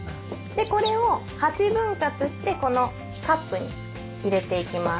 でこれを８分割してこのカップに入れていきます。